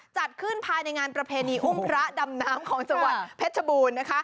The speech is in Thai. จัดขึ้นภายในงานประเพณีอุ่มพระดำน้ำของจรพค